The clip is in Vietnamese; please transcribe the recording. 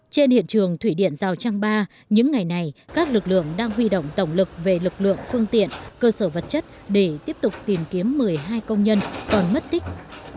trên hiện trường thủy điện rào trăng ba những ngày này các lực lượng đang huy động tổng lực về lực lượng phương tiện cơ sở vật chất để tiếp tục tìm kiếm một mươi hai công nhân còn mất tích